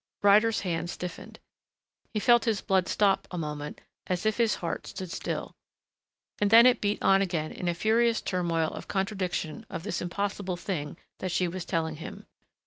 Ryder's hand stiffened. He felt his blood stop a moment, as if his heart stood still. And then it beat on again in a furious turmoil of contradiction of this impossible thing that she was telling him.